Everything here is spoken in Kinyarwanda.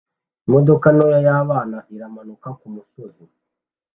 Imodoka ntoya yabana iramanuka kumusozi